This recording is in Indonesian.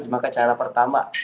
maka cara pertama